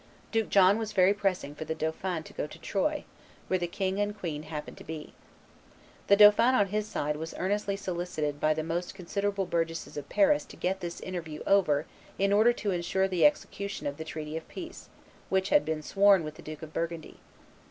Duke John was very pressing for the dauphin to go to Troyes, where the king and queen happened to be. The dauphin on his side was earnestly solicited by the most considerable burgesses of Paris to get this interview over in order to insure the execution of the treaty of peace which had been sworn to with the Duke of Burgundy.